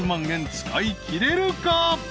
円使いきれるか？］